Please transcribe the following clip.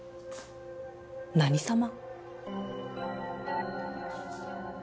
何様？